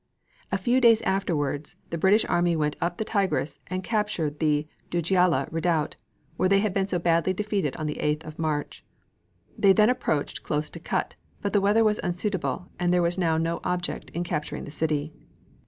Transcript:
A few days afterwards the British army went up the Tigris and captured the Dujailah redoubt, where they had been so badly defeated on the 8th of March. They then approached close to Kut, but the weather was unsuitable, and there was now no object in capturing the city.